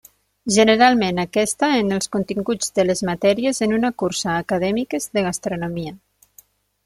Generalment aquesta en els continguts de les matèries en una cursa acadèmiques de gastronomia.